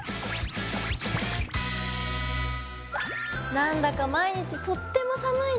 なんだか毎日とっても寒いね。